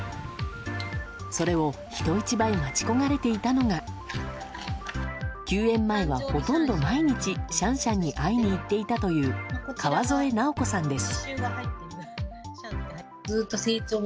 それを、人一倍待ち焦がれていたのが休園前は、ほとんど毎日シャンシャンに会いに行っていたという川添尚子さんです。